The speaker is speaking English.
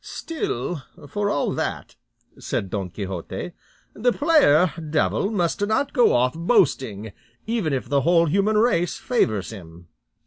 "Still, for all that," said Don Quixote, "the player devil must not go off boasting, even if the whole human race favours him."